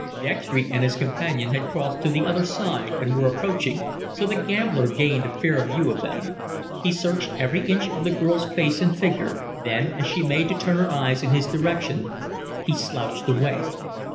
Dextry and his companion had crossed to the other side and were approaching, so the gambler gained a fair view of them. He searched every inch of the girl's face and figure, then, as she made to turn her eyes in his direction, he slouched away.